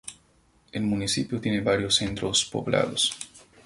El municipio tiene varios centros poblados.